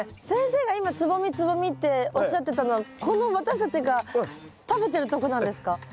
先生が今蕾蕾っておっしゃってたのはこの私たちが食べてるとこなんですか？